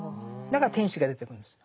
だから天使が出てくるんです。